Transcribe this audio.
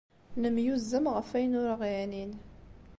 Nemyuzzam ɣef wayen ur aɣ-yeɛnin.